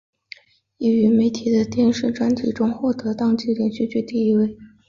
亦于媒体的电视专题中获得当季连续剧第一位。